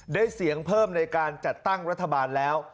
ได้เสียงเพิ่มในการจัดตั้งรัฐบาลแล้ว